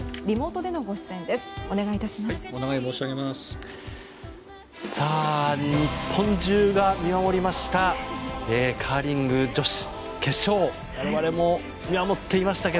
リモートでのご出演ですお願いいたします。